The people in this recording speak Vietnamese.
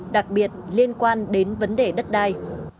đặc biệt liên quan đến vấn đề đất đai